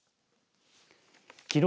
きのう